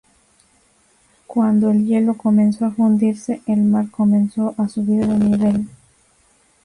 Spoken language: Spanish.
Cuando el hielo comenzó a fundirse, el mar comenzó a subir de nivel.